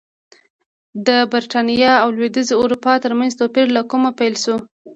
د برېټانیا او لوېدیځې اروپا ترمنځ توپیر له کومه پیل شو